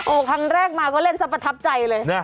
ครั้งแรกมาก็เล่นซะประทับใจเลย